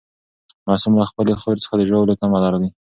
معصوم له خپلې خور څخه د ژاولو تمه لري.